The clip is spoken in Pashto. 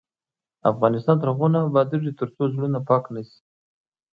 افغانستان تر هغو نه ابادیږي، ترڅو زړونه پاک نشي.